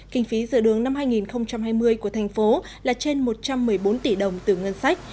kinh phí rửa đường năm hai nghìn hai mươi của thành phố là trên một trăm một mươi bốn tỷ đồng từ ngân sách